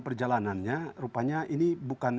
perjalanannya rupanya ini bukan